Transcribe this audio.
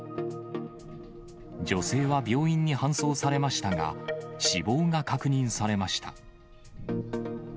女性は病院に搬送されましたが、死亡が確認されました。